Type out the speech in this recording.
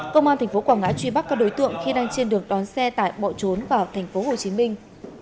công an tp quảng ngãi truy bắt các đối tượng khi đang trên đường đón xe tại bộ trốn vào tp hồ chí minh